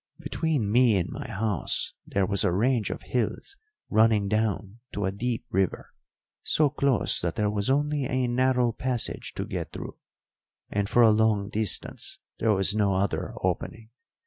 Between me and my house there was a range of hills running down to a deep river, so close that there was only a narrow passage to get through, and for a long distance there was no other opening.